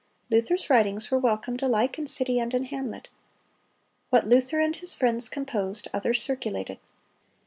Luther's writings were welcomed alike in city and in hamlet. "What Luther and his friends composed, others circulated.